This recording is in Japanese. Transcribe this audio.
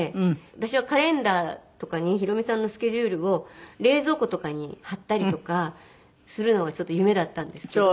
私はカレンダーとかにヒロミさんのスケジュールを冷蔵庫とかに貼ったりとかするのが夢だったんですけど。